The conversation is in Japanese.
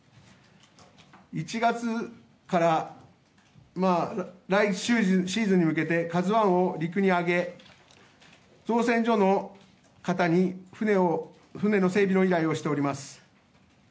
１月から来シーズンに向けて「ＫＡＺＵ１」を陸に揚げ造船所の方に船の整備の依頼をしております。